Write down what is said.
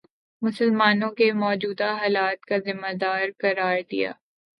مسلمانوں کے موجودہ حالات کا ذمہ دار قرار دیا